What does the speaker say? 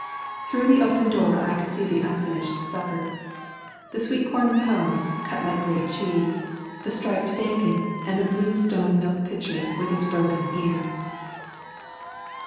Through the open door I could see the unfinished supper, the sweet corn pone cut like a great cheese, the striped bacon, and the blue stone milk pitcher with its broken ears.